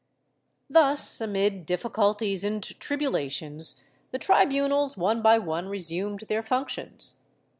^ Thus amid difficulties and trilDulations the tribunals one by one resumed their fmictions.